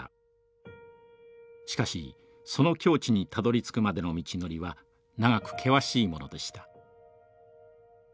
しかしその境地にたどりつくまでの道のりは長く険しいものでした。